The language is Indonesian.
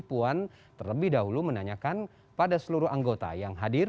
puan terlebih dahulu menanyakan pada seluruh anggota yang hadir